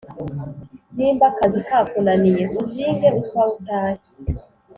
nimba akazi kakunaniye uzinge utwawe utahe!,